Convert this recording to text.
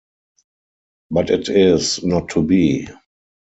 But it is not to be.